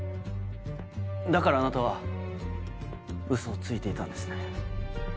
だからあなたはウソをついていたんですね。